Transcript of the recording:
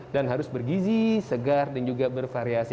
dan harus bergizi segar dan juga bervariasi